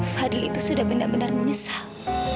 fadil itu sudah benar benar menyesal